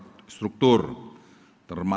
pembangunan lima tahun kabinet indonesia maju